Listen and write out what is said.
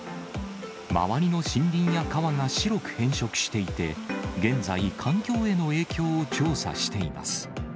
周りの森林や川が白く変色していて、現在、環境への影響を調査しています。